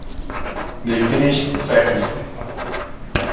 They finished second.